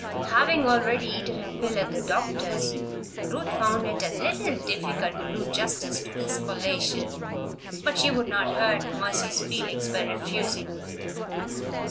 Having already eaten her fill at the doctor's, Ruth found it a little difficult to do justice to this collation; but she would not hurt Mercy's feelings by refusing.